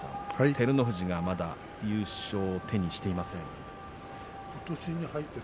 照ノ富士がまだ、優勝を手にしていませんことしに入って。